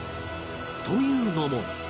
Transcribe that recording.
というのも